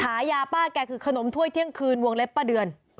ขายาป้าแกคือขนมถ้วยเที่ยงคืนวงเล็บป้าเดือน